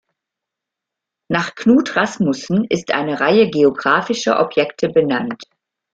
Nach Knud Rasmussen ist eine Reihe geographischer Objekte benannt.